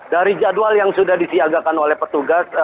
dari jadwal yang sudah disiagakan oleh petugas